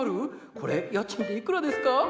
これ家賃っていくらですか？